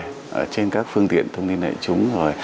trên các phương tiện thông tin đại chúng